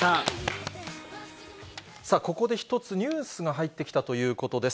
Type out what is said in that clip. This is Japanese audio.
さあここで１つ、ニュースが入ってきたということです。